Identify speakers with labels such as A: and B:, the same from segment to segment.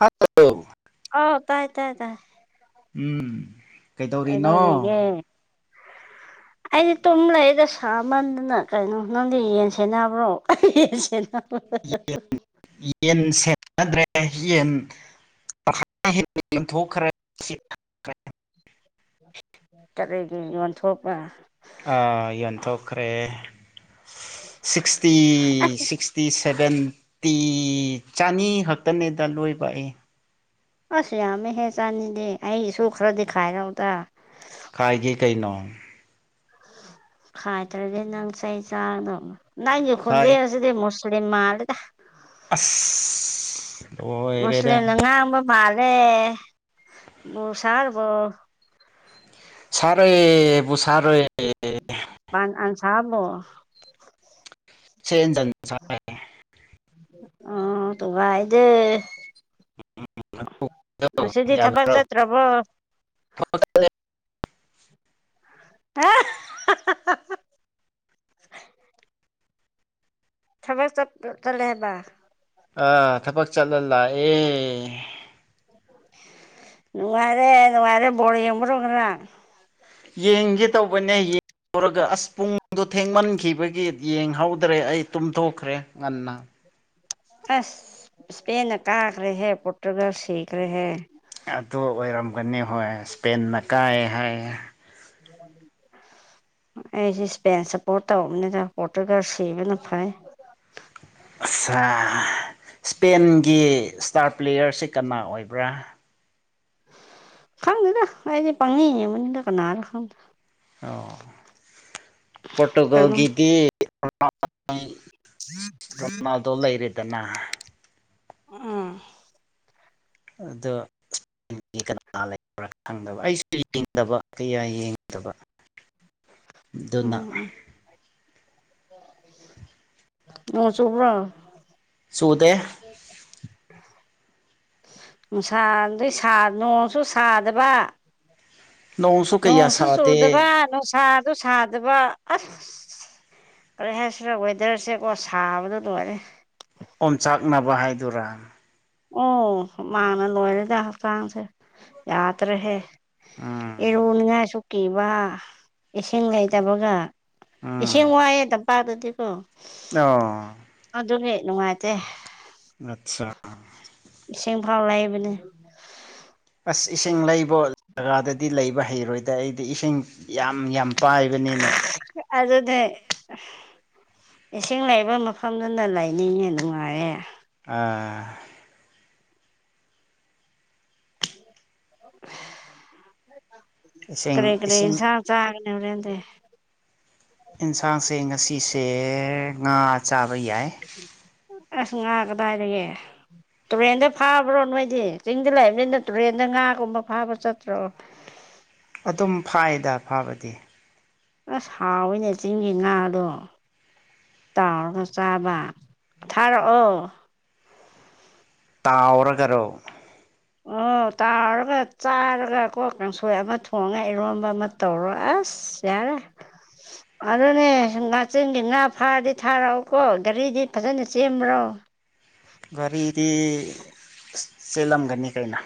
A: hello
B: ꯑꯥꯎ ꯇꯥꯏ ꯇꯥꯏ ꯇꯥꯏ
A: ꯎꯝ ꯀꯩꯇꯧꯔꯤꯅꯣ
B: ꯀꯩꯗꯧꯔꯤꯒꯦ ꯑꯩꯗꯤ ꯇꯨꯝ ꯂꯩꯗ ꯁꯥꯃꯟꯗꯅ ꯀꯩꯅꯣ ꯅꯪꯗꯤ ꯌꯦꯟꯁꯦꯟꯅꯕ꯭ꯔꯣ ꯌꯦꯟ
A: ꯌꯦꯟ ꯊꯦꯅꯗ꯭ꯔꯦ ꯌꯦꯟ ꯇꯪꯈꯥꯢꯃ ꯍꯦꯟꯅ ꯌꯣꯟꯊꯣꯛꯈ꯭ꯔꯦ [inaudible]
B: ꯀꯔꯤꯒꯤ ꯌꯣꯟꯊꯣꯛꯄ
A: ꯑꯥ ꯌꯣꯟꯊꯣꯛꯈ꯭ꯔꯦ ꯁꯤꯛꯁꯇꯤ ꯁꯤꯛꯁꯇꯤ ꯁꯚꯦꯟꯇꯤ ꯆꯅꯤ ꯈꯛꯇꯅꯦꯗ ꯂꯣꯏꯕ ꯑꯩ
B: ꯑꯁ ꯌꯥꯝꯃꯦꯍꯦ ꯆꯥꯅꯤꯗꯤ ꯑꯩꯒꯤꯁꯨ ꯈꯔꯗꯤ ꯈꯥꯏꯔꯧꯗ
A: ꯈꯥꯏꯒꯦ ꯀꯩꯅꯣ
B: ꯈꯥꯏꯗꯔꯗꯤ ꯅꯪ ꯆꯩ ꯆꯒꯗꯧꯅꯤ ꯅꯪꯒꯤ
A: ꯈꯥꯏ
B: ꯈꯣꯟꯖꯦꯜ ꯁꯤꯗꯤ ꯃꯨꯁ ꯂꯤꯝ ꯃꯥꯜꯂꯤꯗ
A: ꯑꯁ ꯂꯣꯏꯔꯦꯅꯦ
B: ꯃꯨꯁꯂꯤꯝꯅ ꯉꯥꯡꯕ ꯃꯥꯜꯂꯦ ꯕꯨ ꯁꯥꯔꯕꯨ
A: [unintelligible]
B: [unintelligible]
A: [unintelligible]
B: [unintelligible] ꯉꯁꯤꯗꯤ ꯊꯕꯛ
A: ꯌꯥꯕ꯭ꯔꯣ
B: ꯆꯠꯇ꯭ꯔꯕꯣ
A: [unintelligible]
B: [unintelligible] ꯊꯕꯛ ꯆꯞ ꯆꯠꯂꯦ ꯍꯥꯏꯕ
A: ꯑꯥ ꯊꯕꯛ ꯆꯠꯂ ꯂꯥꯛꯑꯦ
B: ꯅꯨꯡꯉꯥꯏꯔꯦ ꯅꯨꯡꯉꯥꯏꯔꯦ ꯕꯣꯜ ꯌꯦꯡꯕꯗꯣ ꯉꯔꯥꯡ
A: ꯌꯦꯡꯒꯦ ꯇꯧꯕꯅꯦ ꯑꯁ ꯄꯨꯡꯗꯨ ꯊꯦꯡꯃꯟꯈꯤꯕꯒꯤ ꯌꯦꯡꯍꯧꯗ꯭ꯔꯦ ꯑꯩ ꯇꯨꯝꯊꯣꯛꯈ꯭ꯔꯦ ꯉꯟꯅ
B: ꯑꯁ ꯏꯁꯄꯦꯟꯅ ꯀꯥꯈ꯭ꯔꯦꯍꯦ ꯄꯣꯔꯇꯨꯒꯜ ꯁꯤꯈ꯭ꯔꯦꯍꯦ
A: ꯑꯗꯨ ꯑꯣꯏꯔꯝꯒꯅꯤ ꯍꯣꯏ ꯏꯁꯄꯦꯟꯅ ꯀꯥꯏ ꯍꯥꯏ
B: [inaudible] ꯑꯩꯁꯦ ꯏꯁꯄꯦꯟ ꯁꯞꯄꯣꯔꯠ ꯇꯧꯕꯅꯤꯅ ꯄꯣꯇꯨꯒꯜ ꯁꯤꯕꯅ ꯐꯩ
A: ꯑꯠꯁꯥ ꯏꯁꯄꯦꯟꯒꯤ ꯏꯁꯇꯥꯔ ꯄ꯭ꯂꯦꯌꯔꯁꯦ ꯀꯅꯥ ꯑꯣꯏꯕ꯭ꯔꯥ
B: ꯈꯪꯗꯦꯗ ꯑꯩꯗꯤ ꯄꯪꯌꯦꯡ ꯌꯦꯡꯕꯅꯤꯗ ꯀꯅꯥꯔꯥ ꯈꯪꯗꯦ
A: ꯑꯣ
B: ꯀꯩꯅꯣ
A: ꯄꯣꯔꯠꯇꯨꯒꯜꯒꯤꯗꯤ ꯔꯣꯅꯥꯜꯗꯣ ꯂꯩꯔꯦꯗꯅ
B: ꯑꯥ
A: ꯑꯗꯣ ꯀꯥꯅꯥ ꯂꯩꯕꯔꯥ ꯈꯪꯗꯕ ꯑꯩꯁꯨ ꯌꯦꯡꯗꯕ ꯀꯌꯥ ꯌꯦꯡꯗꯕ ꯗꯨꯅ
B: ꯎꯝ ꯎꯝ [inaudible] ꯅꯣꯡ ꯆꯨꯕ꯭ꯔꯣ
A: ꯆꯨꯗꯦ
B: ꯅꯨꯡꯁꯗꯤ ꯁꯥ ꯅꯣꯡꯁꯨ ꯁꯥꯗꯕ
A: ꯀꯌꯥ
B: ꯅꯣꯡꯁꯨ
A: ꯁꯥꯗꯦ
B: ꯆꯨꯗꯕ ꯅꯨꯡꯁꯥꯗꯨ ꯁꯥꯗꯕ ꯑꯁ ꯀꯔꯤ ꯍꯥꯏꯁꯤꯔ ꯋꯦꯗꯔꯁꯦꯀꯣ ꯁꯥꯕꯗꯣ ꯂꯣꯏꯔꯦ
A: ꯑꯣꯝꯆꯥꯛꯅꯕ ꯍꯥꯏꯗꯨꯔꯥ
B: ꯑꯣ ꯍꯨꯃꯥꯡꯅ ꯂꯣꯏꯔꯦꯗ ꯍꯛꯆꯥꯡꯁꯦ ꯌꯥꯗ꯭ꯔꯦꯍꯦ
A: ꯎꯝ
B: ꯏꯔꯨꯅꯤꯡꯉꯥꯏꯁꯨ ꯀꯤꯕ ꯏꯁꯤꯡ ꯂꯩꯇꯕꯒ
A: ꯎꯝ
B: ꯏꯁꯤꯡ ꯋꯥꯏꯑꯦ ꯇꯝꯄꯥꯛꯇꯗꯤꯀꯣ
A: ꯑꯣ
B: ꯑꯗꯨꯅꯦ ꯅꯨꯡꯉꯥꯏꯇꯦ
A: ꯑꯠꯁꯥ
B: ꯏꯁꯤꯡ ꯐꯥꯎ ꯂꯩꯕꯅꯦ
A: ꯑꯁ ꯏꯁꯤꯡ ꯂꯩꯕ ꯑꯣꯏ ꯖꯒꯥꯗꯗꯤ ꯂꯩꯕ ꯍꯩꯔꯣꯏꯗ ꯑꯩꯗꯤ ꯏꯁꯤꯡ ꯌꯥꯝ ꯌꯥꯝ ꯄꯥꯏꯕꯅꯤꯅ
B: ꯑꯗꯨꯅꯦ ꯏꯁꯤꯡ ꯂꯩꯕ ꯃꯐꯝꯗꯨꯅ ꯂꯩꯅꯤꯡꯉꯦ ꯅꯨꯡꯉꯥꯏꯌꯦ
A: ꯑꯥ
B: [unintelligible] ꯀꯔꯤ
A: ꯏꯁꯤꯡ
B: ꯀꯔꯤ
A: ꯏꯁꯤꯡ
B: ꯍꯤꯟꯁꯥꯡ ꯆꯥ ꯍꯣꯔꯦꯟꯗꯤ
A: ꯏꯟꯁꯥꯡꯁꯦ ꯉꯁꯤꯁꯦ ꯉꯥ ꯆꯥꯕ ꯌꯥꯏ
B: ꯑꯁ ꯉꯥ ꯀꯗꯥꯏꯗꯒꯤ ꯇꯨꯔꯦꯟꯗ ꯐꯥꯕ꯭ꯔꯣ ꯅꯣꯏꯗꯤ ꯆꯤꯡꯗ ꯂꯩꯕꯅꯤꯅ ꯇꯨꯔꯦꯟꯗ ꯉꯥꯒꯨꯝꯕ ꯐꯥꯕ ꯆꯠꯇ꯭ꯔꯣ
A: ꯑꯗꯨꯝ ꯐꯥꯏꯗ ꯐꯥꯕꯗꯤ
B: ꯑꯁ ꯍꯥꯎꯋꯤꯅꯦ ꯆꯤꯡꯒꯤ ꯉꯥꯗꯣ ꯇꯥꯎꯔꯒ ꯆꯥꯕ ꯊꯥꯔꯛꯑꯣ
A: ꯇꯥꯎꯔꯒꯔꯣ
B: ꯑꯣ ꯇꯥꯎꯔꯒ ꯆꯥꯔꯒꯀꯣ ꯀꯥꯡꯁꯣꯏ ꯑꯃ ꯊꯣꯡꯉ ꯏꯔꯣꯟꯕ ꯑꯃ ꯇꯧꯔꯣ ꯑꯁ ꯌꯥꯔꯦ ꯑꯗꯨꯅꯦ ꯉꯥꯆꯦꯡꯒꯤ ꯉꯥ ꯐꯥꯔꯗꯤ ꯊꯥꯔꯛꯎꯀꯣ ꯒꯥꯔꯤꯗꯤ ꯐꯖꯅ ꯆꯦꯟꯕ꯭ꯔꯣ
A: ꯇꯤ ꯑꯁ ꯄꯦꯜꯂꯝꯒꯅꯤ ꯀꯩꯅꯣ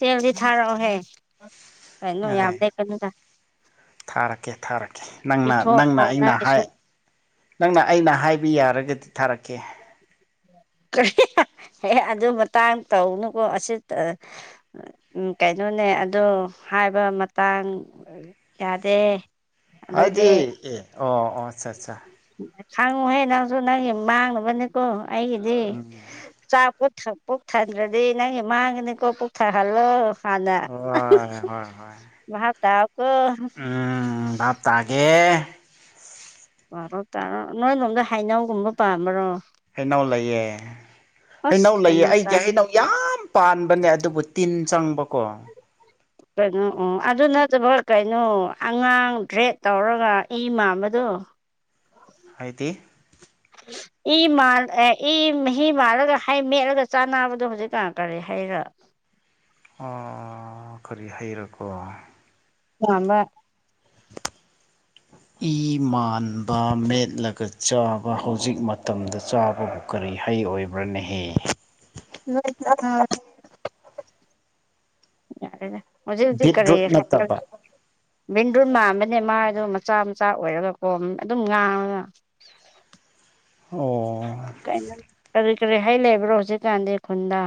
B: ꯁꯦꯜꯗꯤ ꯊꯥꯔꯛꯑꯣꯍꯦ ꯀꯩꯅꯣ
A: ꯑꯗꯩ
B: ꯌꯥꯝꯗꯦ ꯈꯟꯅꯨꯗ
A: ꯊꯥꯔꯛꯀꯦ ꯊꯥꯔꯛꯀꯦ ꯅꯪꯅ ꯅꯪꯅ
B: ꯄꯤꯊꯣꯛꯑꯣ
A: ꯑꯩꯅ ꯍꯥꯏ
B: ꯅꯪꯒꯤꯁꯨ
A: ꯅꯪꯅ ꯑꯩꯅ ꯍꯥꯏ ꯕꯤ ꯌꯥꯔꯒꯗꯤ ꯊꯥꯔꯛꯀꯦ
B: ꯀꯔꯤ [unintelligible] ꯑꯦ ꯑꯗꯨ ꯃꯇꯥꯡ ꯇꯧꯅꯨꯀꯣ ꯑꯁꯤꯠ ꯑ ꯎꯝ ꯀꯩꯅꯣꯅꯦ ꯑꯗꯣ ꯍꯥꯏꯕ ꯃꯇꯥꯡ ꯌꯥꯗꯦ
A: ꯍꯥꯏꯗꯤ
B: ꯑꯗꯨꯗꯤ
A: ꯑꯦ ꯑꯣ ꯑꯣ ꯑꯆꯥ ꯆꯥ
B: ꯈꯪꯉꯨꯍꯦ ꯅꯪꯁꯨ ꯅꯪꯒꯤ ꯃꯥꯡꯅꯕꯅꯤꯀꯣ ꯑꯩꯒꯤꯗꯤ
A: ꯎꯝ
B: ꯆꯥꯛ ꯄꯨꯛ ꯊꯟ ꯄꯨꯛ ꯊꯟꯗ꯭ꯔꯗꯤ ꯅꯪꯒꯤ ꯃꯥꯡꯒꯅꯤꯀꯣ ꯄꯨꯛ ꯊꯜꯍꯜꯂꯣ ꯍꯥꯟꯅ
A: ꯍꯣꯏ ꯍꯣꯏ
B: [unintelligible]
A: ꯍꯣꯏ
B: ꯕꯥꯚ ꯇꯥꯎ
A: ꯎꯝ ꯕꯥꯚ ꯇꯥꯒꯦ
B: ꯄꯔꯣ ꯇꯥꯔꯣ ꯅꯣꯏꯔꯣꯝꯗ ꯍꯩꯅꯧꯒꯨꯝꯕ ꯄꯥꯟꯕ꯭ꯔꯣ
A: ꯍꯩꯅꯧ ꯂꯩꯌꯦ
B: ꯑꯁ
A: ꯍꯩꯅꯧ ꯂꯩꯌꯦ
B: ꯀꯩꯅꯣ
A: ꯑꯩꯒꯤ ꯍꯩꯅꯧ ꯌꯥꯝ ꯄꯥꯟꯕꯅꯦ ꯑꯗꯨꯕꯨ ꯇꯤꯟ ꯆꯪꯕꯀꯣ
B: ꯀꯩꯅꯣ ꯑꯣ ꯑꯗꯨ ꯅꯠ ꯅꯠꯇꯕ ꯀꯩꯅꯣ ꯑꯉꯥꯡ ꯗ꯭ꯔꯦꯛ ꯇꯧꯔꯒ ꯏ ꯃꯥꯟꯕꯗꯣ
A: ꯍꯥꯏꯗꯤ
B: [inaudible] ꯏ ꯃꯥꯟ ꯑꯦ ꯏ ꯃꯍꯤ ꯃꯥꯜꯂꯒ ꯍꯩ ꯃꯦꯠꯂꯒ ꯆꯥꯅꯕꯗꯣ ꯍꯧꯖꯤꯛ ꯀꯥꯟ ꯀꯔꯤ ꯍꯩꯔꯥ
A: ꯑꯣ ꯀꯔꯤ ꯍꯩꯔꯀꯣ
B: ꯆꯥꯝꯕ
A: [inaudible] ꯏ ꯃꯥꯟꯕ ꯃꯦꯠꯂꯒ ꯆꯥꯕ ꯍꯧꯖꯤꯛ ꯃꯇꯝꯗ ꯆꯥꯕꯕꯨ ꯀꯔꯤ ꯍꯩ ꯑꯣꯏꯕ꯭ꯔꯥ ꯅꯍꯦ
B: ꯍ [unintelligible] ꯌꯥꯔꯦꯗ ꯍꯧꯖꯤꯛ ꯍꯧꯖꯤꯛ ꯀꯔꯤ
A: ꯕꯤꯠꯔꯨꯠ ꯅꯠꯇꯕ
B: ꯕꯤꯟꯗꯨꯜ ꯃꯥꯥꯟꯕꯅꯦ ꯃꯥ ꯑꯗꯨ ꯃꯆꯥ ꯃꯆꯥ ꯑꯣꯏꯔꯒꯀꯣ ꯑꯗꯨꯝ ꯉꯥꯡꯉꯒ ꯀꯩꯅꯣ
A: ꯑꯣ
B: ꯀꯔꯤ ꯀꯔꯤ ꯍꯩ ꯂꯩꯕ꯭ꯔꯣ ꯍꯧꯖꯤꯛꯀꯥꯟꯗꯤ ꯈꯨꯟꯗ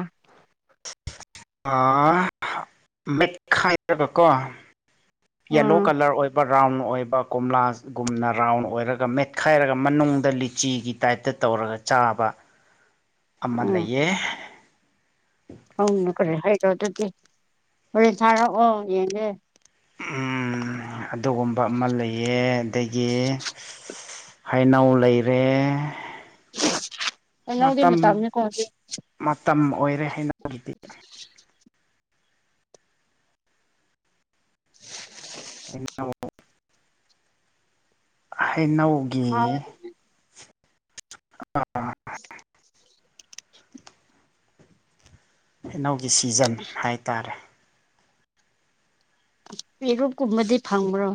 A: ꯑꯥ ꯃꯦꯠꯈꯥꯏꯔꯒꯀꯣ ꯌꯦꯜꯂꯣ
B: ꯎꯝ
A: ꯀꯂꯔ ꯑꯣꯏꯕꯔ ꯔꯥꯎꯟ ꯑꯣꯏꯕ ꯀꯣꯝꯂꯥꯒꯨꯝꯅ ꯔꯥꯎꯟ ꯑꯣꯏꯔꯒ ꯃꯦꯠꯈꯥꯏꯔꯒ ꯃꯅꯨꯡꯗ ꯂꯤꯆꯤꯒꯤ ꯇꯥꯏꯞꯇ ꯇꯧ ꯇꯧꯔꯒ ꯆꯥꯕ ꯑꯃ ꯂꯩꯌꯦ
B: ꯍꯧꯅ ꯀꯔꯤ ꯍꯥꯏꯔꯣ ꯑꯗꯨꯗꯤ ꯍꯣꯔꯦꯟ ꯊꯥꯔꯛꯑꯣ ꯌꯦꯡꯒꯦ
A: ꯎꯝ ꯑꯗꯨꯒꯨꯝꯕ ꯑꯃ ꯂꯩꯌꯦ ꯑꯗꯒꯤ ꯍꯩꯅꯧ ꯂꯩꯔꯦ
B: ꯎ [inaudible] ꯍꯩꯅꯧꯗꯤ
A: ꯃꯇꯝ
B: ꯃꯇꯝꯅꯦꯀꯣ ꯍꯧꯖꯤꯛ
A: ꯃꯇꯝ ꯑꯣꯏꯔꯦ ꯍꯩꯅꯧꯒꯤꯗꯤ ꯍꯩꯅꯧ ꯍꯩꯅꯧꯒꯤ ꯑꯥ ꯍꯩꯅꯧꯒꯤ ꯁꯤꯖꯟ ꯍꯥꯏꯇꯥꯔꯦ
B: ꯄꯦꯔꯨꯛ ꯀꯨꯝꯕꯗꯤ ꯐꯪꯕ꯭ꯔꯣ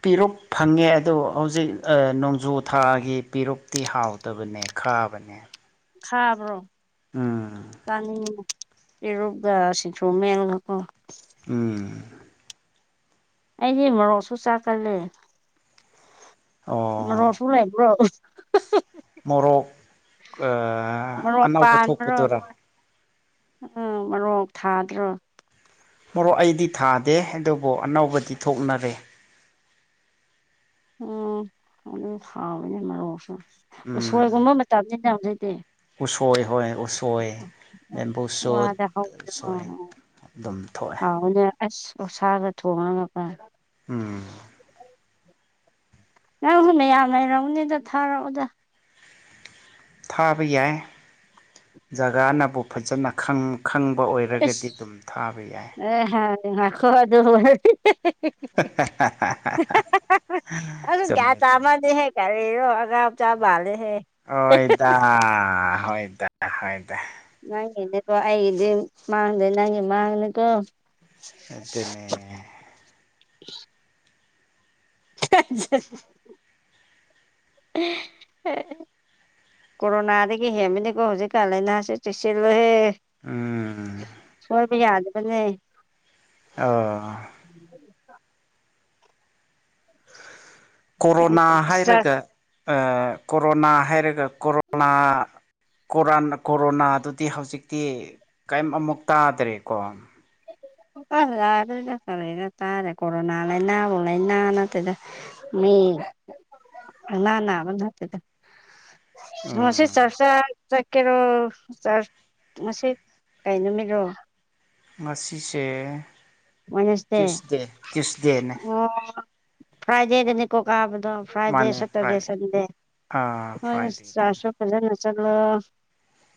A: ꯄꯦꯔꯨꯛ ꯐꯪꯉꯦ ꯑꯗꯣ ꯍꯧꯖꯤꯛ ꯅꯣꯡꯖꯨꯊꯥꯒꯤ ꯄꯦꯔꯨꯛꯇꯤ ꯍꯥꯎꯇꯕꯅꯦ ꯈꯥꯕꯅꯦ
B: ꯈꯥꯕ꯭ꯔꯣ
A: ꯎꯝ
B: ꯆꯥꯅꯤꯡꯉꯦ ꯄꯦꯔꯨꯛꯒ ꯁꯤꯡꯁꯨꯨ ꯃꯦꯠꯂꯒꯀꯣ
A: ꯎꯝ
B: ꯑꯩꯗꯤ ꯃꯣꯔꯣꯛꯁꯨ ꯆꯥꯛꯀꯜꯂꯦ
A: ꯑꯣ
B: ꯃꯣꯔꯣꯛꯁꯨ ꯂꯩꯕ꯭ꯔꯣ
A: ꯃꯣꯔꯣꯛ
B: ꯃꯣꯔꯣꯛ
A: ꯑꯅꯧꯕ
B: ꯄꯥꯟꯕ꯭ꯔꯣ
A: ꯊꯣꯛꯄꯗꯨꯔꯥ
B: ꯎꯝ ꯃꯔꯣꯛ ꯊꯥꯗ꯭ꯔꯣ
A: ꯃꯣꯔꯣꯛ ꯑꯩꯗꯤ ꯊꯥꯗꯦ ꯑꯗꯨꯕꯨ ꯑꯅꯧꯕꯗꯤ ꯊꯣꯛꯅꯔꯦ
B: ꯎꯝ ꯑꯗꯨꯝ ꯍꯥꯎꯋꯤꯅꯦ ꯃꯔꯣꯛꯁꯨ
A: ꯎꯝ
B: ꯎꯁꯣꯏꯒꯨꯝꯕ ꯃꯇꯝꯅꯤꯅ ꯍꯧꯖꯤꯛꯇꯤ
A: ꯎꯁꯣꯏ ꯍꯣꯏ ꯎꯁꯣꯏ ꯕꯦꯝꯕꯨ ꯁꯨꯠ
B: ꯋꯥꯗ ꯍꯧꯕꯗ ꯑ
A: ꯎꯁꯣꯏ
B: ꯑ
A: ꯑꯗꯨꯝ ꯊꯣꯛꯑꯦ
B: ꯍꯥꯎꯅꯦ ꯑꯁ ꯑꯣꯛꯁꯥꯒ ꯊꯣꯡꯉꯒꯀ
A: ꯎꯝ
B: ꯅꯪꯁꯨ ꯃꯌꯥꯝ ꯂꯩꯔꯝꯒꯅꯤꯗ ꯊꯥꯔꯛꯑꯣꯗ
A: ꯊꯥꯕ ꯌꯥꯏ ꯖꯒꯥꯅꯕꯨ ꯐꯖꯅ ꯈꯪ ꯈꯪꯕ ꯑꯣꯏꯔꯒꯗꯤ
B: ꯑꯁ
A: ꯑꯗꯨꯝ ꯊꯥꯕ ꯌꯥꯏ
B: ꯑꯦ ꯉꯥꯏꯈꯣ ꯑꯗꯨ ꯑꯗꯨ ꯒ꯭ꯌꯥꯟ
A: ꯆꯨꯝꯃꯦ ꯆꯨꯝꯃꯦ
B: ꯇꯥꯃꯗꯦ ꯍꯦ ꯀꯔ ꯀꯔꯤꯔꯣ ꯑꯉꯥꯝ ꯆꯥ ꯃꯥꯜꯂꯦ
A: ꯍꯣꯏꯗ ꯍꯣꯏꯗ ꯍꯣꯏꯗ
B: ꯅꯪꯉꯤꯅꯦꯀꯣ ꯑꯩꯒꯤꯗꯤ ꯃꯥꯡꯗꯦ ꯅꯪꯉꯤ ꯃꯥꯡꯒꯅꯤꯀꯣ
A: ꯑꯗꯨꯅꯦ
B: [inaudible] [inaudible] ꯀꯣꯔꯣꯅꯥꯗꯗꯒꯤ ꯍꯦꯟꯕꯅꯤꯀꯣ ꯍꯧꯖꯤꯛ ꯀꯥꯟ ꯂꯩꯅꯥꯁꯦ ꯆꯦꯁꯂꯨꯀꯣ
A: ꯎꯝ
B: [unintelligible] ꯌꯥꯗꯕꯅꯦ
A: ꯑꯣ ꯀꯣꯔꯣꯅꯥ ꯍꯥꯏꯔꯒ ꯀꯣꯔꯣꯅꯥ ꯍꯥꯏꯔꯒ ꯀꯣꯔꯣꯅꯥ ꯀꯣꯔ ꯀꯣꯔꯣꯅꯥꯗꯨꯗꯤ ꯍꯧꯖꯤꯛꯇꯤ ꯀꯔꯤꯝ ꯑꯃꯨꯛ ꯇꯥꯗ꯭ꯔꯦꯀꯣ [inaudible]
B: ꯑ ꯌꯥꯔ ꯆꯔ ꯇꯥꯔꯦ ꯀꯣꯔꯣꯅꯥ ꯂꯩꯅꯦꯕꯨ ꯂꯩꯅꯥ ꯅꯠꯇꯦꯗ ꯃꯤ
A: [inaudible]
B: ꯂꯩꯅꯥ ꯅꯥ ꯅꯥꯕ ꯅꯠꯇꯦꯗ ꯉꯁꯤ
A: ꯎꯝ
B: ꯆꯔꯆꯥꯥ ꯆꯠꯀꯦꯔꯣ ꯆꯔꯆ ꯉꯁꯤ ꯀꯩ ꯅꯨꯃꯤꯠꯔꯣ
A: ꯉꯁꯤꯁꯦ
B: ꯋꯥꯢꯅꯁꯗꯦ
A: ꯇ꯭ꯌꯨꯁꯗꯦ ꯇ꯭ꯌꯨꯁꯗꯦꯅꯦ
B: ꯑꯣ ꯐ꯭ꯔꯥꯢꯗꯦꯗꯅꯤꯀꯣ ꯀꯥꯕ ꯗꯣ ꯐ꯭ꯔꯥꯏꯗꯦ
A: ꯃꯥꯅꯦ
B: ꯁꯦꯇꯔꯗꯦ
A: ꯐ꯭ꯔꯥꯏ
B: ꯁꯟꯗꯦ
A: ꯑꯥ
B: ꯍꯣꯏ
A: ꯐ꯭ꯔꯥꯏꯗꯦꯗꯅꯦ
B: ꯆꯥꯔꯁꯨ ꯐꯖꯅ ꯆꯠꯂꯣ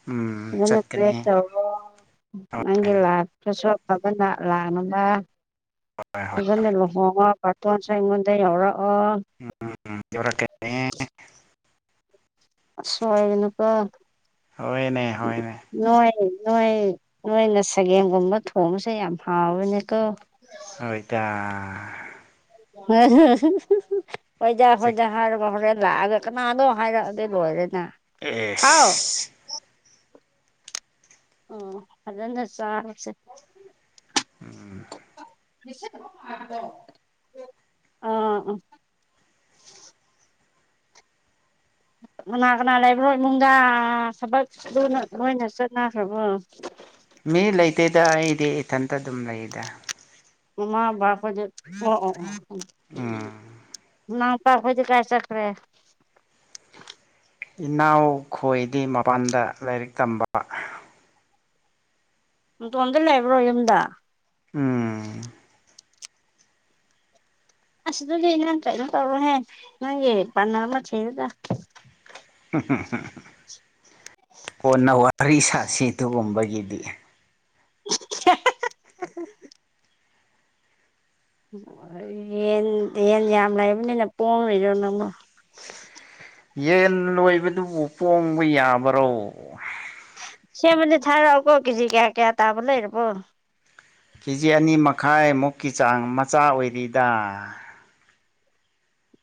A: ꯎꯝ
B: ꯐꯖꯅ ꯄ꯭ꯔꯦ
A: ꯆꯠꯀꯅꯤ
B: ꯇꯧꯔꯣ ꯅꯪꯒꯤ ꯂꯥꯢꯐꯇꯥꯁꯨ ꯑꯐꯕ ꯂꯥꯛ [unintelligible]
A: ꯍꯣꯏ ꯍꯣꯏ
B: ꯐꯖꯅ ꯂꯨꯍꯣꯡꯉꯣ ꯕꯥꯔꯇꯣꯟꯁꯨ ꯑꯩꯉꯣꯟꯗ ꯌꯥꯎꯔ ꯑꯣ
A: ꯎꯝ ꯌꯧꯔꯛꯀꯅꯤ
B: ꯑꯁꯣꯢꯒꯅꯨꯀꯣ
A: ꯍꯣꯏꯅꯦ ꯍꯣꯏꯅꯦ
B: ꯅꯣꯏ ꯅꯣꯏꯅ ꯁꯥꯒꯦꯝ ꯒꯨꯝꯕ ꯊꯣꯡꯕꯁꯦ ꯌꯥꯝ ꯍꯥꯎꯑꯦꯅꯦꯀꯣ
A: ꯍꯣꯢꯇ
B: ꯍꯣꯢꯗ
A: ꯆꯤꯛ
B: ꯍꯣꯢꯗ ꯍꯥꯢꯔꯒ ꯍꯣꯔꯦꯟ ꯂꯥꯛꯑꯒ ꯀꯅꯥꯗꯣ ꯍꯥꯏꯔꯛꯑꯗꯤ ꯂꯣꯏꯔꯦ
A: ꯑꯦ ꯑꯦꯁ
B: ꯑꯣ ꯐꯖꯅ ꯆꯥꯔꯁꯦ
A: ꯎꯝ
B: ꯑꯥ ꯑ
A: [inaudible]
B: ꯀꯅꯥ ꯀꯅꯥ ꯂꯩꯕ꯭ꯔꯣ ꯏꯃꯨꯡꯗ ꯊꯕꯛ ꯂꯣꯏꯅ ꯂꯣꯢꯅ ꯆꯠꯅꯈ꯭ꯔꯕꯣ
A: ꯃꯤ ꯂꯩꯇꯦꯗ ꯑꯩꯗꯤ ꯏꯊꯟꯇ ꯑꯗꯨꯝ ꯂꯩꯗ
B: ꯃꯥꯃꯥ ꯕꯕꯥ ꯈꯣꯢꯗꯤ ꯑꯣ ꯑꯣ
A: ꯎꯝ
B: ꯅꯥꯎꯄꯥꯈꯣꯏꯗꯤ ꯀꯥꯏ ꯆꯈ꯭ꯔꯦ
A: ꯏꯅꯥꯎ ꯈꯣꯏꯗꯤ ꯃꯄꯥꯟꯗ ꯂꯥꯏꯔꯤꯛ ꯇꯝꯕ
B: ꯅꯇꯣꯝꯗ ꯂꯩꯕ꯭ꯔꯣ ꯌꯨꯝꯗ
A: ꯎꯝ
B: ꯑꯁ ꯗꯨꯗꯤ ꯅꯪ ꯀꯩꯅꯣ ꯇꯧꯔꯣꯍꯦ ꯅꯪꯒꯤ ꯄꯥꯔꯠꯅꯔ ꯑꯃ ꯊꯤꯌꯨꯗ
A: ꯀꯣꯟꯅ ꯋꯥꯔꯤ ꯁꯥꯁꯤ ꯗꯨꯒꯨꯝꯕꯩ ꯒꯤꯗꯤ
B: [unintelligible] ꯌꯦꯟ ꯌꯦꯟ ꯌꯥꯝ ꯂꯩꯕꯅꯤꯅ ꯄꯣꯡꯂꯤꯔꯣ ꯅꯪꯕꯣ
A: ꯌꯦꯟ ꯂꯣꯏꯕꯗꯨꯕꯨ ꯄꯣꯡꯕ ꯌꯥꯕꯔꯣ
B: ꯁꯦꯝꯃꯢ ꯊꯥꯔꯛꯑꯣꯀꯣ ꯀꯦꯖꯤ ꯀꯌꯥ ꯀꯌꯥ ꯇꯥꯕ ꯂꯩꯔꯕꯣ
A: ꯀꯦꯖꯤ ꯑꯅꯤ ꯃꯈꯥꯏꯃꯨꯛꯀꯤ ꯆꯥꯡ ꯃꯆꯥ ꯑꯣꯏꯔꯤꯗ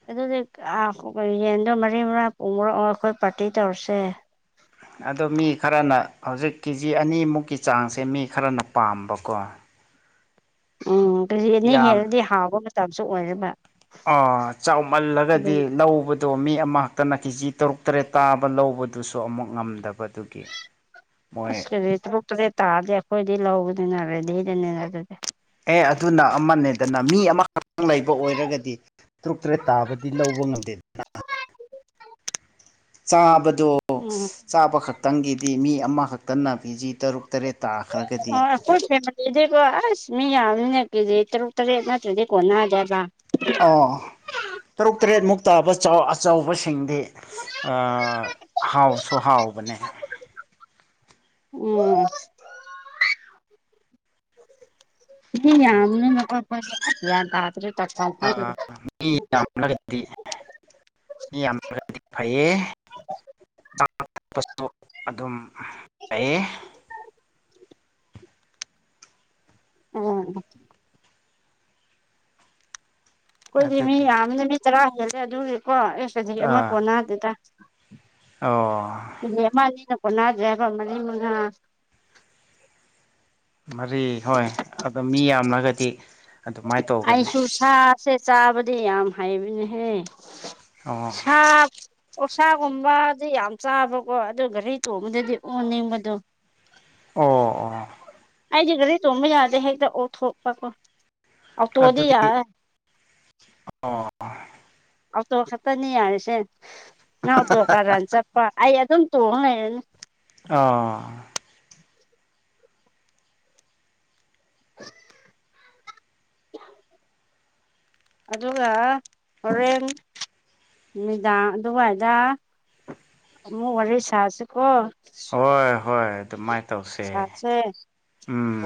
B: ꯑꯗꯨꯗꯤ ꯑꯥ ꯔꯤ ꯌꯦꯟꯗꯣ ꯃꯔꯤ ꯃꯉꯥ ꯄꯨꯡ ꯃꯣꯔꯛ ꯑꯩꯈꯣꯏ ꯄꯥꯔꯇꯤ ꯇꯧꯔꯁꯦ
A: ꯑꯗꯣ ꯃꯤ ꯈꯔꯅ ꯍꯧꯖꯤꯛ ꯀꯦꯖꯤ ꯑꯅꯤꯃꯨꯛꯀꯤ ꯆꯥꯡꯁꯦ ꯃꯤ ꯈꯔꯅ ꯄꯥꯝꯕꯀꯣ
B: ꯎꯝ ꯀꯦꯖꯤ ꯑꯅꯤ
A: ꯌꯥꯝ
B: ꯍꯦꯜꯂꯗꯤ ꯍꯥꯎꯕ ꯃꯇꯝꯁꯨ ꯑꯣꯏꯔꯦꯕ
A: ꯑꯥ ꯆꯥꯎꯃꯜꯂꯒꯗꯤ ꯂꯧꯕ ꯗꯣ ꯃꯤ ꯑꯃꯈꯛꯛꯇꯅ ꯀꯦꯖꯤ ꯇꯔꯨꯛ ꯇꯔꯦꯠ ꯇꯥꯕ ꯂꯧꯕ ꯃꯣꯏ
B: ꯑꯁ ꯀꯦꯖꯤ ꯇ꯭ꯔꯨꯛ ꯇꯔꯦꯠ ꯇꯥꯔꯗꯤ ꯑꯈꯣꯢꯗꯤ ꯂꯧꯒꯅꯤ ꯅ ꯔꯦꯗꯤꯗꯅꯦ ꯑꯗꯨꯗꯤ [unintelligible]
A: ꯑꯦ ꯑꯗꯨꯅ ꯑꯃꯅꯦꯗꯅ ꯃꯤ ꯑꯃꯈꯛꯇꯪ ꯂꯩꯕ ꯑꯣꯏꯔꯒꯗꯤ ꯇꯔꯨꯛ ꯇꯔꯦꯠ ꯇꯥꯕꯗꯤ ꯂꯧꯕ ꯉꯝꯗꯦ ꯅꯥ
B: [inaudible]
A: ꯆꯥꯕꯗꯣ
B: ꯎꯝ
A: ꯆꯥꯕ ꯈꯛꯇꯪꯒꯤꯗꯤ ꯃꯤ ꯑꯃꯈꯛꯇꯅ ꯀꯦꯖꯤ ꯇꯔꯨꯛ ꯇꯔꯦꯠ ꯇꯥꯈ꯭ꯔꯒꯗꯤ
B: ꯑꯣ ꯑꯩꯈꯣꯏ ꯐꯦꯃꯤꯂꯤꯗꯤꯀꯣ ꯑꯁ ꯃꯤ ꯌꯥꯝꯃꯤ ꯀꯦꯖꯤ ꯇꯔꯨꯛ ꯇꯔꯦꯠ ꯅꯠꯇ꯭ꯔꯗꯤ ꯀꯣꯟꯅꯗꯦꯕ
A: ꯑꯥ ꯇꯔꯨꯛ ꯇꯔꯦꯠ ꯃꯨꯛ ꯇꯥꯕ ꯑꯆꯥ ꯑꯆꯧꯕꯁꯤꯡꯗꯤ ꯑꯥ ꯍꯥꯎꯁꯨ ꯍꯥꯎꯕꯅꯦ
B: ꯎꯝ ꯃꯤ
A: ꯑꯗꯨ
B: ꯌꯥꯝꯕꯅꯤꯅ [unintelligible] ꯑꯁ ꯒ꯭ꯌꯥꯟ ꯇꯥꯗꯦ
A: ꯑꯥ ꯃꯤ ꯌꯥꯝꯂꯒꯗꯤ ꯃꯤ ꯌꯥꯝꯂꯒꯗꯤ ꯐꯩꯌꯦ ꯆꯥ ꯊꯛꯄꯁꯨ ꯑꯗꯨꯝ ꯐꯩꯌꯦ [unintelligible]
B: ꯎꯝ ꯑꯩꯈꯣꯏꯗꯤ ꯃꯤ
A: ꯑꯗꯨꯒꯤ
B: ꯌꯥꯝꯕꯅꯤꯅ ꯃꯤ ꯇꯔꯥ ꯍꯦꯜꯂꯦ ꯑꯗꯨꯗꯤꯀꯣ ꯑꯦ ꯀꯦꯒꯤ ꯑꯃ
A: ꯑꯥ
B: ꯀꯣꯟꯅꯗꯦ
A: ꯑꯣ
B: ꯀꯦꯒꯤ ꯑꯃ ꯑꯅꯤꯅ ꯀꯣꯟꯅꯗ꯭ꯔꯦꯕ ꯃꯔꯤ ꯃꯉꯥ
A: ꯃꯔꯤ ꯍꯣꯏ ꯑꯗꯣ ꯃꯤ ꯌꯥꯝꯂꯒꯗꯤ ꯑꯗꯨꯃꯥꯏ ꯇꯧꯒꯅꯤ
B: ꯆꯥꯀꯁꯦ ꯆꯥꯕꯗꯤ ꯌꯥꯝ ꯍꯩꯕꯅꯦꯍꯦ
A: ꯑꯣ
B: ꯁꯥ ꯑꯣꯛꯁꯥꯒꯨꯝꯕꯗꯤ ꯌꯥꯝ ꯆꯥꯕꯀꯣ ꯑꯗꯨ ꯘꯔꯤ ꯇꯣꯡꯕꯗꯗꯤ ꯑꯣꯅꯤꯡꯕꯗꯣ
A: ꯑꯣ ꯑꯣ
B: ꯑꯩꯗꯤ ꯒꯥꯔꯤ ꯇꯣꯡꯕ ꯌꯥꯗꯦ ꯍꯦꯛꯇ ꯑꯣꯊꯣꯛꯄꯀꯣ ꯑꯣꯇꯣꯗꯤ
A: ꯑꯗꯨꯗꯤ
B: ꯌꯥꯏꯑꯦ
A: ꯍꯣꯏ
B: ꯑꯣꯇꯣ ꯈꯛꯇꯅꯤ ꯍꯥꯔꯤꯁꯦ ꯅꯪ ꯑꯣꯇꯣ ꯀꯔꯟ ꯆꯠꯄ ꯑꯩ ꯑꯗꯨꯝ ꯇꯣꯡ ꯂꯩꯔꯅꯤ
A: ꯑꯥ [inaudible]
B: ꯑꯗꯨꯒ ꯍꯣꯔꯦꯟ ꯅꯨꯃꯤꯗꯥꯡ ꯑꯗꯨꯋꯥꯏꯗ ꯑꯃꯨꯛ ꯋꯥꯔꯤ ꯁꯥꯁꯤꯀꯣ
A: ꯍꯣꯏ ꯍꯣꯏ ꯑꯗꯨꯃꯥꯏꯅ ꯇꯧꯁꯦ
B: ꯁꯥꯁꯦ
A: ꯎꯝ